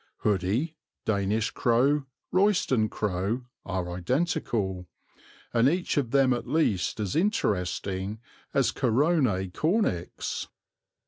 Hoodie, Danish crow, Royston crow are identical, and each of them at least as interesting as Corone cornix.